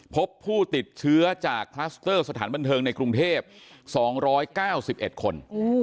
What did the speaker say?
พบผู้ติดเชื้อจากคลัสเตอร์สถานบันเทิงในกรุงเทพ๒๙๑คน